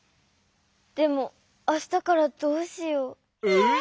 でもあしたからどうしよう。え？